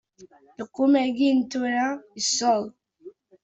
Lqum-agi n tura yesseḍ.